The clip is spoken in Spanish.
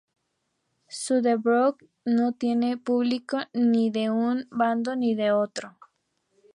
Su "The Broken" no tiene público ni de un bando ni de otro.